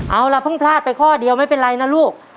เอาล่ะเพิ่งพลาดไปข้อเดียวไม่เป็นไรนะลูก